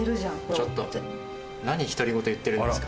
ちょっと何独り言言ってるんですか？